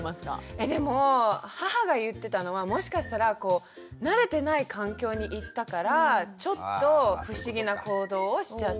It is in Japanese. えでも母が言ってたのはもしかしたら慣れてない環境に行ったからちょっと不思議な行動をしちゃった。